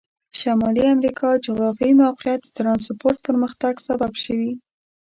شمالي امریکا جغرافیایي موقعیت د ترانسپورت پرمختګ سبب شوي.